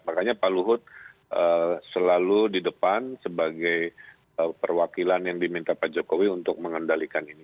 makanya pak luhut selalu di depan sebagai perwakilan yang diminta pak jokowi untuk mengendalikan ini